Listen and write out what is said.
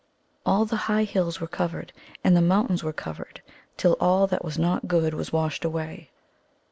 All the high hills were covered and the mountains were covered till all that was not good was washed away.